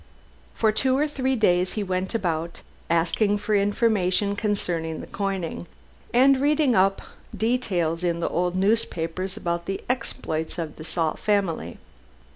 For two or three days he went about, asking for information concerning the coining, and reading up details in old newspapers about the exploits of the Saul family.